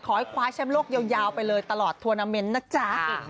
ขอให้คว้าแชมป์โลกยาวไปเลยตลอดทวนาเมนต์นะจ๊ะ